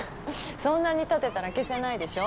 そんなに立てたら消せないでしょ？